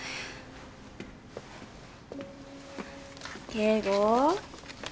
圭吾。